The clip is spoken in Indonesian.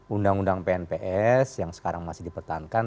undang undang pnps yang sekarang masih dipertahankan